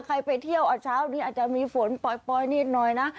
ไปเที่ยวเช้านี้อาจจะมีฝนปล่อยนิดหน่อยนะ